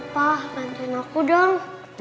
papa bantuin aku dong